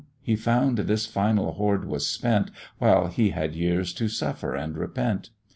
he found this final hoard was spent, While he had years to suffer and repent.